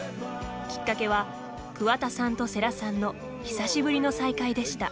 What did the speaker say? きっかけは桑田さんと世良さんの久しぶりの再会でした。